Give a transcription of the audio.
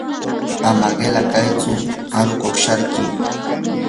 ama qila kaytsu aruqkuq sharkuy.